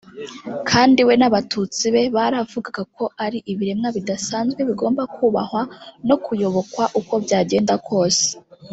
kandi we n’abatutsi be baravugaga ko ari ibiremwa bidasanzwe bigomba kubahwa no kuyobokwa uko byagenda kose